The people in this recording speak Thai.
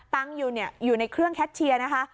ตังอยู่เนี่ยอยู่ในเครื่องแคทเชียร์นะคะ